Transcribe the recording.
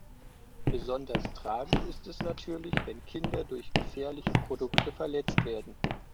Besonders tragisch ist es natürlich, wenn Kinder durch gefährliche Produkte verletzt werden.